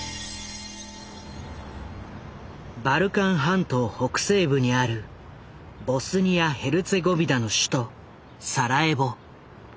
バルカン半島北西部にあるボスニア・ヘルツェゴビナの首都サラエボ。